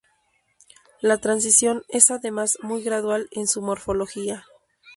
La transición es además muy gradual en su morfología.